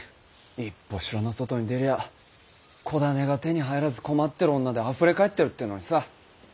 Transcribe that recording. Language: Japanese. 一歩城の外に出りゃ子種が手に入らず困ってる女であふれかえってるってのにさ。